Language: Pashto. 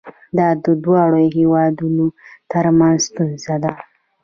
دا د دواړو هیوادونو ترمنځ ستونزه ده.